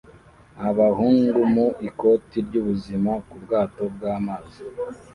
Abahungu mu ikoti ry'ubuzima ku bwato bw'amazi